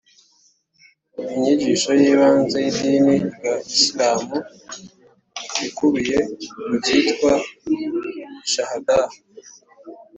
inyigisho y’ibanze y’idini rya isilamu ikubiye mu cyitwa shahādah